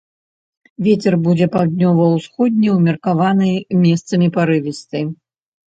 Вецер будзе паўднёва-ўсходні ўмеркаваны, месцамі парывісты.